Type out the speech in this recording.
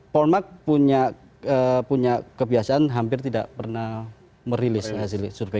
polmark punya kebiasaan hampir tidak pernah merilis hasil survei